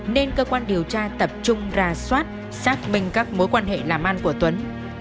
nên cơ quan điều tra tập trung ra soát xác minh các mối quan hệ làm ăn của tuấn